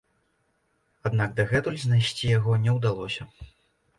Аднак дагэтуль знайсці яго не ўдалося.